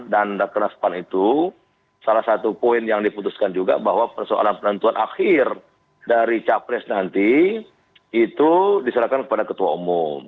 dan rakyat karnas pan itu salah satu poin yang diputuskan juga bahwa persoalan penentuan akhir dari capres nanti itu diserahkan kepada ketua umum